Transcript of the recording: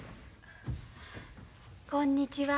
こんにちは。